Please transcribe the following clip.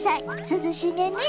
涼しげね。